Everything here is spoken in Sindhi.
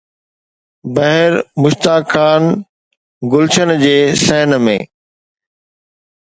بهر مشتاقان گلشن جي صحن ۾